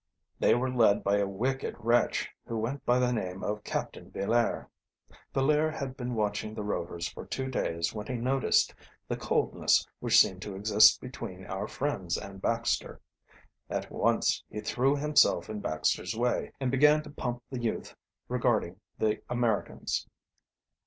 They were led by a wicked wretch who went by the name of Captain Villaire. Villaire had been watching the Rovers for two days when he noticed the coldness which seemed to exist between, our friends and Baxter. At once he threw himself in Baxter's way and began to it pump the youth regarding the Americans.